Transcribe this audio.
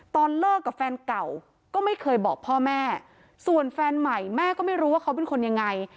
ตอนเลิกกับแฟนเก่าก็ไม่เคยบอกพ่อแม่ส่วนแฟนใหม่แม่ก็ไม่รู้ว่าเขาเป็นคนยังไง